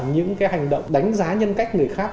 những cái hành động đánh giá nhân cách người khác